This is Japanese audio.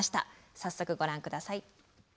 早速ご覧下さい。